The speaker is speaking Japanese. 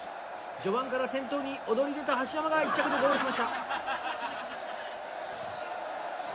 序盤から先頭に躍り出たはしやまが１着でゴールしました。